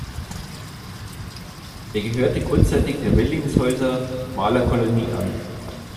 Er gehörte kurzzeitig der Willingshäuser Malerkolonie an.